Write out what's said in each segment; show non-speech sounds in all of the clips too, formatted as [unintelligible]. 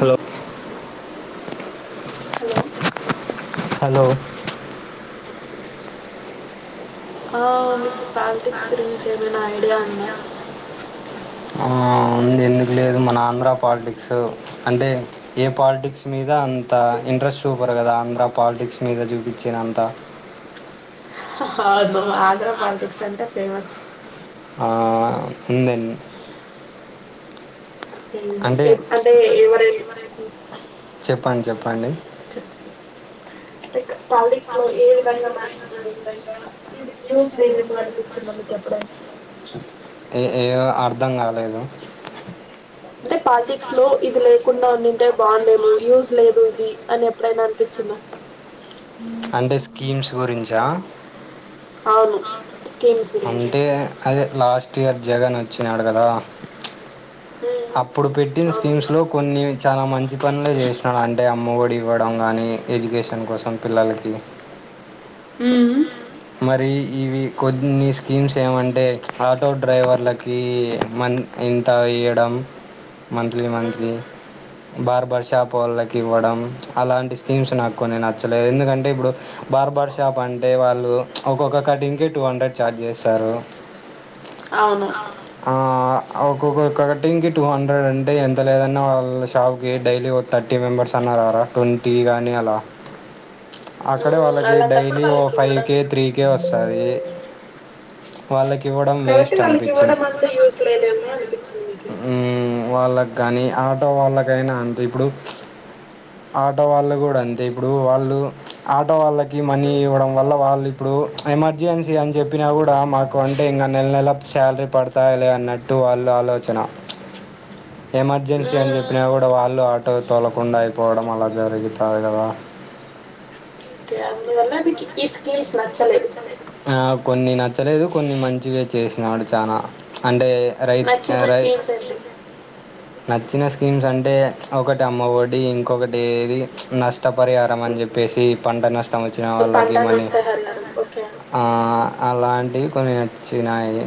hello hello hello ఆ మీకు politics గురించి ఏమైనా ఐడియా ఉందా ఆ ఉంది ఎందుకు లేదు మన ఆంధ్ర పాలిటిక్సు అంటే ఏ పాలిటిక్స్ మీరు ఇద అంత ఇంట్రెస్ట్ సూపర్ కదా ఎంద్ర పాలిటిక్స్ మీద చూపించినంత హ హ అవుదు అగ్ర పాలిటిక్స్ అంటె ఫేమస్ ఆ ఉంధి అంటే ఎవర చెప్పండి చెప్పండి [unintelligible] పాలిటిక్స్ లో ఏ విధంగా మ ఏ విధంగా ఇది ఏసు [inaudible] అనిపిచ్చిందా మీకు యెప్పుడైనా ఏ ఏ అర్ధంగా [inaudible] పాలిటిక్స్ లో ఇది లేకుండా ఉన్నింటే బాగుండేము యూజ్ లేదు ఇది అని ఎప్పుడైనా అనిపించిందా అంటే స్కీమ్స్ గురించా అవును అంటే అదే లాస్ట్ ఇయర్ జగన్ వచ్చినాడు కదా అప్పుడు పెట్టిన స్కీమ్స్ లో కొన్ని చాలా మంచి పనులే చేసినాడు అంటే అమ్మఒడి ఇవ్వడం కానీ ఎడ్యుకేషన్ కోసం పిల్లలకి హ్మ్ మరి ఇవి కొన్ని స్కీమ్స్ ఏమంటే ఆటో డ్రైవర్లకి మన్ ఇంత ఇయ్యడం మంత్లీ మంత్లీ బార్బార్ షాప్ వాళ్ళకి ఇవ్వడం అలాంటి స్కీమ్స్ నాకు కొన్ని నచ్చలేదు ఎందుకంటే ఇప్పుడు బార్బార్ షాప్ అంటే వాళ్ళు ఒక్కొక్క కటింగ్కి టూ హండ్రెడ్ ఛార్జ్ చేస్తారు అవును ఆ ఒకోకా కటింగ్ కి టూ హండ్రెడ్ అంటే ఎంత లేదన్నా వాళ్ళ షాప్కి డైలీ ఒక థర్టీ మెంబర్స్ అన్నారార ట్వంటీ కానీ అలా అక్కడే వాళ్ళకి డైలీ ఓ ఫైవ్ కే త్రీ కే వస్తాది వాళ్ళకి ఇవ్వడం వేస్ట్ అనిపించింది హ్మ్ వాళ్ళగ్గానీ ఆటో వాళ్ళకైనా అంతే ఇప్పుడు ఆటో వాళ్ళ కూడా అంతే ఇప్పుడు వాళ్ళు ఆటో వాళ్ళకి మనీ ఇవ్వడం వల్ల వాళ్ళు ఇప్పుడు ఎమర్జెన్సీ అని చెప్పినా కూడా మాకు అంటే ఇంకా నెల నెల శాలరీ పడతాలే అన్నట్టు వాళ్ళు ఆలోచన ఎమర్జెన్సీ అని చెప్పినా కూడా వాళ్ళు ఆటో తోలకుండాయి పోవడం అలా జరుగుతుారు కదా ఓకే అందువల్ల మీకీ కీస్ స్కీమ్స్ నచ్చలేదు కొన్ని నచ్చలేదు కొన్ని మంచివిే చేసినావాడు చాలా అంటే రై రై నచ్చిన స్కీమ్స్ అంటే ఒకటి అమ్మఒడి ఇంకొకటి ఏది నష్టపరిహారం అని చెప్పేసి పంట నష్టం వ పంటలు వస్తాయి హరి గారు ఓకే ఆ అలాంటివి కొన్ని చైనాయి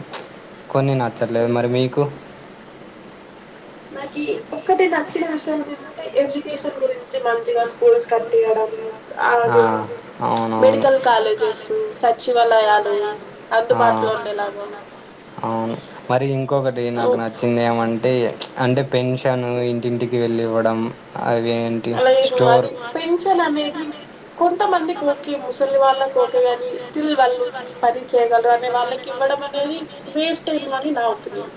కొన్ని నచ్చట్లేదు మరి మీకు నాకి ఒక్కటి నచ్చిన విషయం ఏంటంటే ఎడ్యుకేషన్ గురించి మంచిగా స్కూల్స్ కటియడం ఆ అవునవును ఆ అవును మరి ఇంకొకటి నాకు నచ్చింది ఏమం [unintelligible] ఆంటే పెన్షను ఇంటింటికి వెళ్లే వాడు [unintelligible] లేదు అది పెన్షన్ అనేది కొంతమందికి ఓకే ముసలివాళ్ ఒకే ని స్టిల్ వాళ్ళు పని చేయగలరు అనే వాళ్ళకి ఇవ్వడం అనేది వేస్ట్ టైము అని నా ఒపీనియన్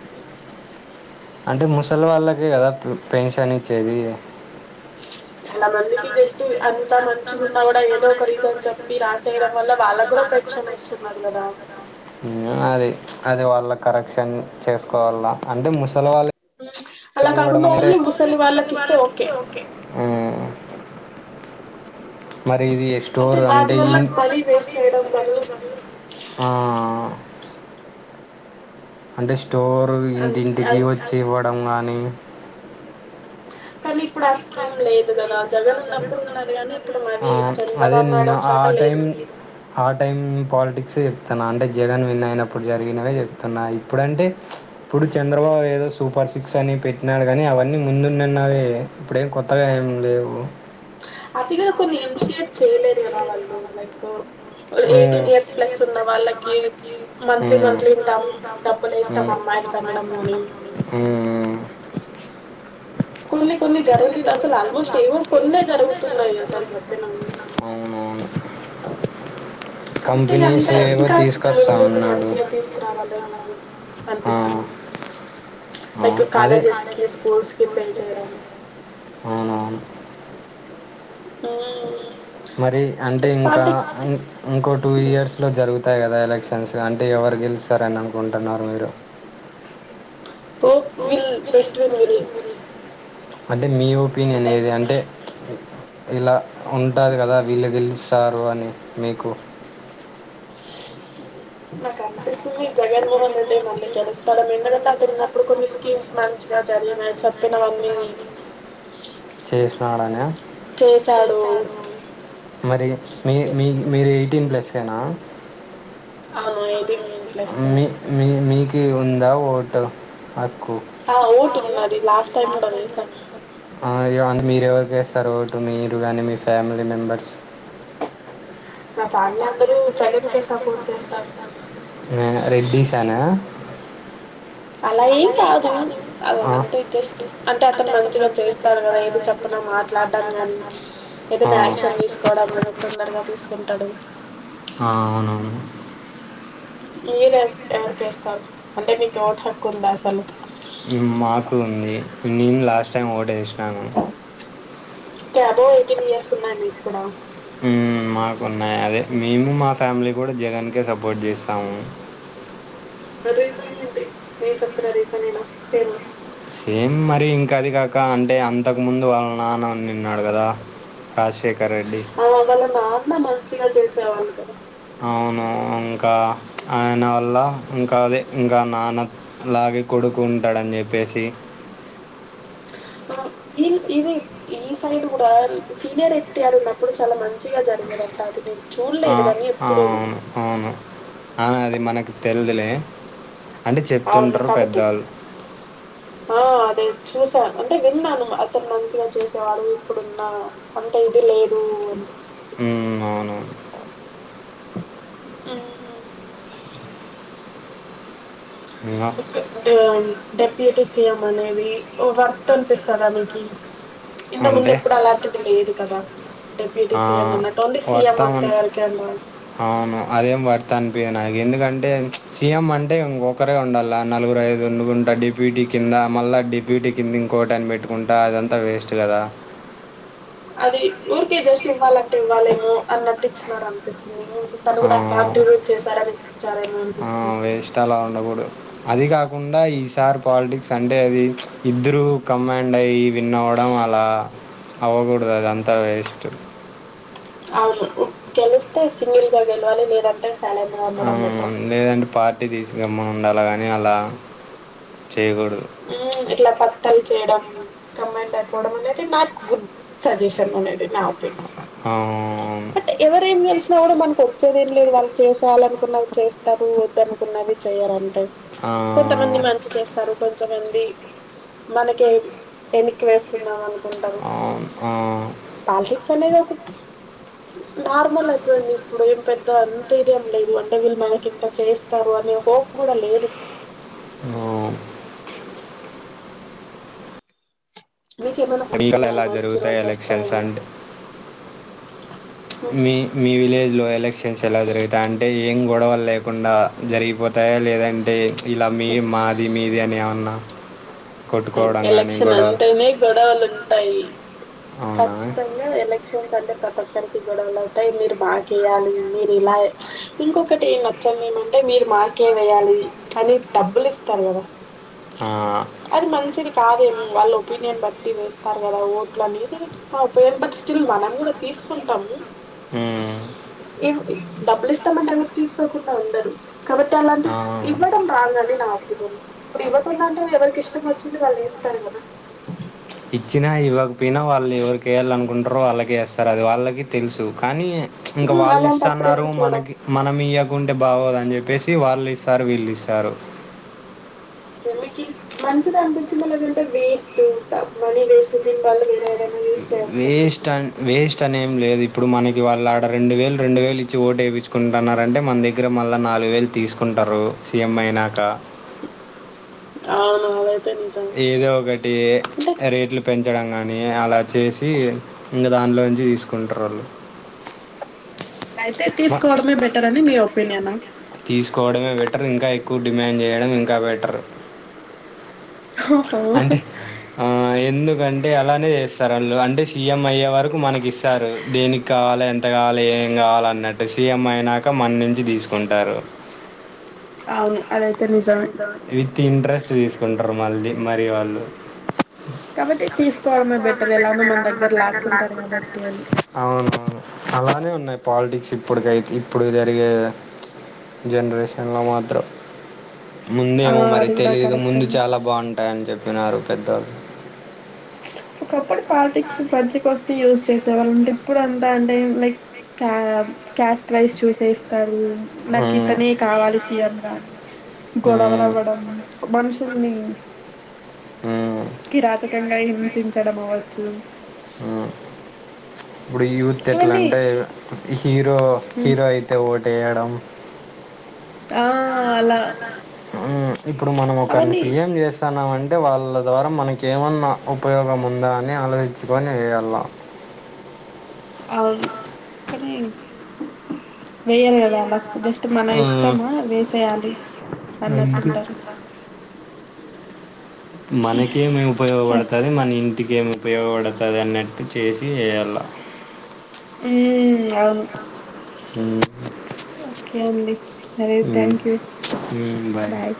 అంటే ముసలి వాళ్ళకే కదా పె పెన్షన్ ఇచ్చేది [unintelligible] చాలా మందికి జస్ట్ అంతా మంచిగాన్నా కూడా ఏదో ఒక రీజన్ చెప్పి రాసేయడం వల్ల వాళ్ళకు కూడా పెన్షన్ వస్తున్నారు కదా మ్ అది అది వాళ్ళ కరెక్షన్ చేసుకోవాల అంటే ముసలి వాళ్ళు మ్ [unintelligible] అంటే వాటి వల్ల మనీీ వేస్ట్ చేయడం మళ్ళు అండస్ స్టోర్ ఇంటింటికి వచ్చే వాడు పడంంగానీ ఆ ఆ అదే నేను ఆ టైం ఆ టైం పాలిటిక్స్ చెప్తున్నా అంటే జగన్ విన్న అయినప్పుడు జరిగినవే చెప్తున్నా ఇప్పుడంటే ఇప్పుడు చంద్రబాబు ఏదో సూపర్ సిక్స్ అని పెట్టినాడు కానీ అవన్నీ ముందు ఉన్నున్నవే ఇప్పుడేం కొత్తగా ఏం లేవు హపీ క రకు నం షట్ చేయలేదు కదా వాళ్ళు లైక్ ఎయిటీన్ ఇయర్స్ ప్లస్ ఉన్న వాళ్ళకి మంత్లీ మంత్లీ ఇతం డబ్బులు ఇస్తాం అమ్మాయిలు కనడం అని కొన్ని కొన్ని జరగలేదు అసలు ఆల్మోస్ట్ ఏవో కొన్నిే జరుగుతున్నాయి అతనిలో తిన్నాను కాబట్టి అంత ఇంకా ముందుకు మంచిగా తీసుకురావాలేమో అనిపిస్తుంది అ అదే అవునవును ఉమ్ మరి అంటే ఇంకా ఇంకో టూ ఇయర్స్ లో జరుగుతు వత్తాయి కదా ఎలక్షన్స్ అంటే ఎవరు గెలుస్తారని అనుకుంటున్నారు మీరు ఓకే బెస్ట్ విన్ విల్ అంటే మీ ఒపీనియన్ ఏది అంటే ఇలా ఉంటాది కదా విళ్ళే గెలుస్తారు అని మీకు నాకు అనిపిస్తుంది జగన్మోహన్ రెడడ్డె మళ్ళీ గెలుస్తాడని ఎందుకంటే అతను ఉన్నపుడు కొన్ని చేసినాడనా మరి మీ మీ మీర్ టీన్ ప్లాసెన ఆ అయితేం ఆ మీ మీ మిక్ కి ఉందా ఓటు హక్కు ఆ అయ్యో మీరు ఎవరికి వేస్తారు ఓటు, మీరు గాని మీ ఫ్యామిలీ మెంబర్స్ మ్మ్ రెడ్డీస్ అనా అలా ఏం కాదు అదంతే జస్టు అంటే అతను మంచిగా చేస్తాడు కదా ఏది చెప్పనా మాట్లాడడం కానీ ఏదైనా యాక్షన్ తీసుకోవడం గాని తొందరగా తీసుకుంటాడు మీర్ ఐతే ఎవరికేస్తారు అంటే మీకు ఓటు హక్కు ఉందా అస్సలు హమ్ మాకు ఉంది నీను లాస్ట్ టైం ఓటు వేషినాను కె అబవ్ ఎయిటిన్ ఇయర్స్ ఉన్నాయ మీక్కూడా హ్మ్మ్ మాకున్నాయి అవే, మేము మా ఫ్యామిలీ కూడా జగన్ కే సపోర్ట్ జేస్తాము అదేంటండి ఇది నేను చెప్పిన రీజనేనా సేమ సేమ్ మరి ఇంక్ ఇంకాదికాక అంటే అంతకముందు వాళ్ళ నాన్న అనిఉన్నాడు కదా అ వాళ్ళ నాన్న మంచి గ చేసే వాలు కదా అవును ఇంకా ఆయన వల్ల ఇంకా అదే ఇంకా నాన్న లాగే కొడుకు ఉంటాడని చెప్పేసి ఆ ఇన్ ఇనే ఈ సైడ్ కూడా సీనియర్ ఎన్టీఆర్ ఉన్నప్పుడు చాలా మంచిగా జరిగినదంట అది నేన్ ఆ అవున్ అవును ఆ అది మనకు తెల్దులే అవును కాబట్టి ఆ అదే చూసా అంటే విన్నాను అతను మంచిగా చేసేవాడు ఇప్పుడున్న అంతా ఇది లేదు అని మ్మ్ అవును ఆ హిట్ అంటే ఏం డెప్యూటీ సి ఎం అనేవి ఓ వర్త్ అనిపిస్తాద మీకి ఇంతకు ముందు ఎప్పుడు అలాంటిది లేదు కదా ఆ వర్తవున్ అవును అదేం వర్త్ అనిపియా నాకి ఎందుకంటే సీఎం అంటే ఇంకొక్కరే ఉండాల నలుగురు ఐదు వండుకుంటా డిప్యూటీ కింద మళ్ళీ డిప్యూటీ కింద ఇంకోట అని పెట్టుకుంటా అదంతా వేస్ట్ కదా అది ఊరికే జస్ట్ ఇవ్వాలంటే ఇవ్వాలేమో అన్నట్టు ఇచ్చినారనిపిస్తుంది తను కూడా కాంట్రిబ్యూట్ చేశారాస్ ఇచారెమో అని వేస్ట్ అలా ఉండకూడదు అది కాకుండా ఈసారి పాలిటిక్స్ అంటే అది ఇద్దరూ కమాండ్ అయ్యి విన్ అవ్వడం అలా అవ్వకూడదు అద అంతా వేస్ట్ అవును కలుస్తే సింగిల్గా కలవాలి లేదు అంటే ఆ లేదండి పాార్టీ టీ తీసుకొని రమ్మని ఉండాల కాని అలా మ్ ఎట్లా ప కలిసి చేయడం కమైండ్ అయిపోవడం అనేది నాకు గుడ్ సజెషన్ అనేది నా అప ఆ అవును కూడా మనకు వచ్చేది ఏం లేదు వాళ్ళు చేసాలినుకున్న చేస్తారు వద్దనుకున్నవి చేయరు అంతే కొంతమంది మంచి చేస్తారు కొ కొంతమంది మనకే వేనికి వేసుకున్నాం అను ఉంటారు ప సన్నద ఒక నార్మల్ అయిపోయింది ఇప్పుడు ఏం పెద్ద అంత ఇదేం లేదు అంటే వీళ్ళు మనకి ఇంత చేస్తారు అనే హోప్ కూడా లేదు ఇప్పుడు మీకేమైనా హోప్ ఉన్నాయా మంచి రోజులు వస్తాయని మీ మీ విలేజ్ లోోయాఎలక్షన్ యెలా [unintelligible] జరుగుతంటే ఏం గొడవలు లేకుండా జరిగిపోతాయా లేదంటే ఇలా మీ మాది మీది అని ఏమన్నా ఆ ఎలక్షన్ అంటేనే గొడవలు ఉంటాయి కచితంగ ఎలక్షన్ స్ [unintelligible] అంటే ప్రతి ఒక్కరికి గొడవలు అవుతాయి మీరు మాకేయాలి మీరు ఇలా ఇంకొకటి నచ్చంది ఏమంటే మీరు మాకేమిేయాలి అని డబ్బులు ఇస్తారు కదా మంచిది కాదేమో వాళ్ళు ఒపీనియన్ బట్టి వేస్తారు కదా ఓట్లు అనేది నాకేంటంటే బట్ స్టిల్ మనం కూడా తీసుకుంటాము మ్ డబ్బులు ఇస్తామంటే ఎవరు తీసుకోకుండా ఉండరు కాబట్టి అలాంటి ఇవ్వడం రాంగ్ అని నా ఒపీనియన్ ఇప్పుడు ఇవ్వకుండా అంటే ఎవరికి ఇష్టం ఇష్టం వచ్చింది వాళ్ళు ఇస్తారు కదా ఇచ్చినా ఇవ్వకపోయినా వాళ్ళు ఎవరికి వేయాలి అనుకుంటారో వాళ్ళకిేస్తారు సరే అది వాళ్ళకి తెలుసు కానీ ఇంక వాళ్ళు ఇస్తాన్నారు మనకి మనం ఇయ్యక్ కుంటే బాగోదని చెప్పేసి వాళ్ళు ఇస్తారు వీళ్ళు ఇస్తారు మంచిది అనిపించిందా లెడ్దంటే వేస్ట్ మనీ వేస్ట్ [unintelligible] [unintelligible] ఏ యూస్ వేస్ట్ అన్ వేస్ట్ అనేం లేదు ఇ ఇప్పుడు మనకి వాళ్ళ ఆడ రెండు వేలు రెండు వేలు ఇచ్చి ఓటు ఏపిచుకుంటన్నారంటే మన దగ్గర మళ్ళ నాలుగు వేలు తీసుకుంటారు సీఎం అయినాక అవునా ఏదో ఒకటి రేట్లు పెంచ పెంచడం గానీ అలా చేసి ఇంక దాంట్లో నుంచి తీసుకుంటారు వాళ్ళు అయితే తీసుకోవడమే బెటర్ అని మీ ఒపీనియనా కోవడమే బెటర్ ఇంకా ఎక్కువ డిమాండ్ చేయడం ఇంకా బెటర్ అంటే ఆ ఎందుకంటే అలానే చేస్ తగండ్లు అంటే సీఎం అయ్యే వరకు మనకి ఇస్తారు దేనికి కావాలి ఎంత కావాలి ఏం కావాల అన్నట్టు సీఎం అయినాక మన నుంచి తీసుకుంటారు అవును అలా విత్ ఇంట్రెస్ట్ తీసుకుంట ఆరు మళ్లీ మరి వాళ్ళు అవును అవును అలానే ఉన్నాయ్ పాలిటిక్స్ ఇప్పటికైతే ఇప్పుడు జరిగే ప్చ్ జన్రేషన్లో మాత్రం ముందేమో మరి తెలీదు ముందు చాలా బాగుంటాయని చెప్పినారు పెద్ద ఒకప్పుడు పాలిటిక్స్ [unintelligible] యూజ్ చేసే వాళ్ళంటే ఇప్పుడు అంతా అంటే లైక్ క్యాస్ట్ వైస్ చూస్ చేస్తారు నాక్ ఇతనే కావాలి సీఎం గాని గొడవలు అవ్వడం ఒక్ మనుషుల్ని కిరాతకంగా హింసించడం అవచ్చు ఇప్పుడు యూత్ ఎట్లా అంటే హీరో హీరో అయితే ఓటు వేయడం ఆ ఇప్పుడు మనం ఒకరిని సీఎం చేస్తే స్తనమంటె అంటే వాళ్ళ ద్వారా మనకేమన్నా ఉపయోగం ఉందా అని ఆలోచించుకొని వేయాల అవును కానీ వేయరు కదా అలా జస్ట్ మన ఇష్టమా వేసేయాలి అన్నట్టుంటారు మనకేమి ఉపయోగపడతది మన ఇన్ ఇటికేమి ఉపయోగపడుతుంది అన్నట్టు చేసి చేయాల హుమ్ అవును హ ఓకే అండి సరే థ్యాంక్ యూ బాయ్